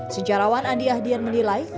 sejarawan andi ahdian menilai